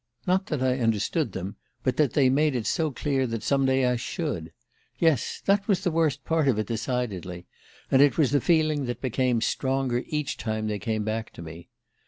Not that I understood them; but that they made it so clear that some day I should ... Yes, that was the worst part of it, decidedly; and it was the feeling that became stronger each time they came back to me